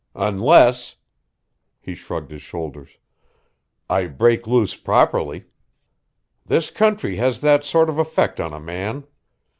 Unless," he shrugged his shoulders, "I break loose properly. This country has that sort of effect on a man.